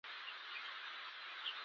کله چې د ښوونځي زده کوونکی شو.